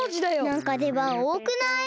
なんかでばんおおくない？